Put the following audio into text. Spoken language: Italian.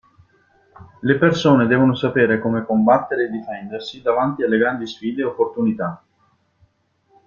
Le persone devono sapere come combattere e difendersi davanti alle grandi sfide e opportunità.